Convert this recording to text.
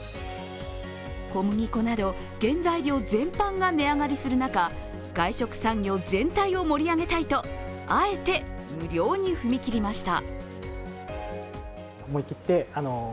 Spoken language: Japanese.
小麦粉など原材料全般が値上がりする中、外食産業全体を盛り上げたいとあえて無料に踏み切りました。